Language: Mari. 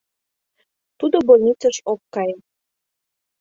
Тудо больницыш ок кае.